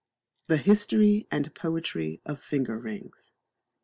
'" The History and Poetry of Finger Rings.